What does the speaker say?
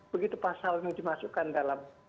begitu pasal ini dimasukkan dalam